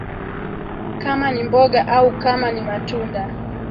kama ni mboga au kama ni matunda